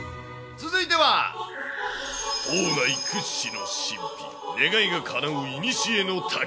続いては、島内屈指の神秘、願いがかなういにしえの滝？